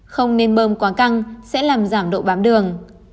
không nên bơm quá căng sẽ làm giảm độ bám đường